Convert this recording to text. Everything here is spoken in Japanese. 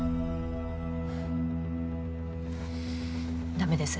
ダメです。